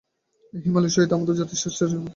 এই হিমালয়ের সহিত আমাদের জাতির শ্রেষ্ঠ স্মৃতিসমূহ জড়িত।